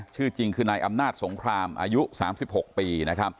ชื่อจริงคือนายอำนาจสงครามอายุ๓๖ปี